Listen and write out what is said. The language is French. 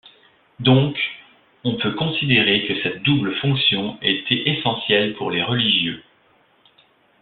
Donc, on peut considérer que cette double fonction était essentielle pour les religieux.